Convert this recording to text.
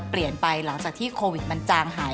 เปลี่ยนไปหลังจากที่โควิดมันจางหาย